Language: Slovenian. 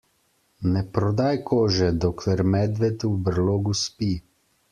Ne prodaj kože, dokler medved v brlogu spi.